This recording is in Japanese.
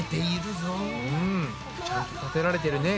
うんちゃんとたてられてるね。